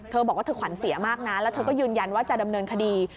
บอกว่าเธอขวัญเสียมากนะแล้วเธอก็ยืนยันว่าจะดำเนินคดี